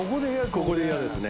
ここで嫌ですね。